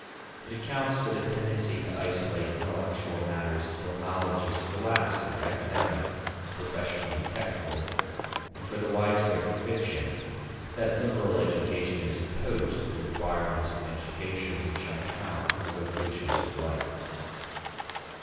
It accounts for the tendency to isolate intellectual matters till knowledge is scholastic, academic, and professionally technical, and for the widespread conviction that liberal education is opposed to the requirements of an education which shall count in the vocations of life.